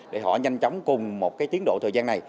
để họ nhanh chóng cùng một cái tiến độ thời gian này